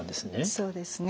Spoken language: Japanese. そうですね